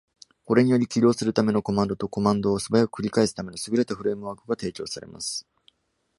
これにより起動するためのコマンドと、コマンドをすばやく繰り返すための優れたフレームワークが提供されます。